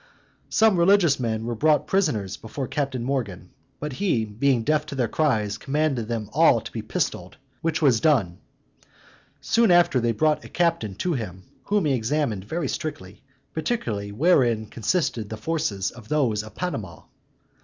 Some religious men were brought prisoners before Captain Morgan; but he, being deaf to their cries, commanded them all to be pistoled, which was done. Soon after they brought a captain to him, whom he examined very strictly; particularly, wherein consisted the forces of those of Panama?